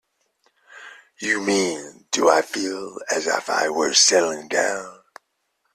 You mean, do I feel as if I were settling down?